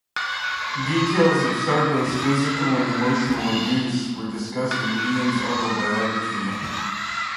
Details of Sargo's physical and emotional abuse were discussed in Ian's autobiography.